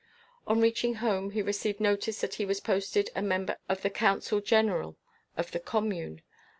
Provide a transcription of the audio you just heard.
On reaching home, he received notice that he was posted a member of the Council General of the Commune.